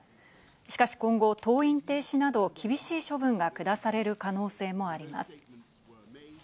しかし今後、登院停止など厳しい処分が下される可能性もあります。